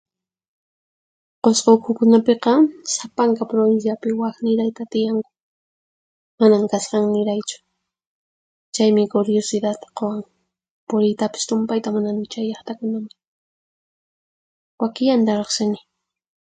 Qusqu ukhukunapiqa, sapanka prowinsiapi waq nirayta tiyanku, manan kasqan niraychu. Chaymi kuriyusitat quwan, puriytapis tumpayta munani chay llaqtakunaman. Wakillanta riqsini.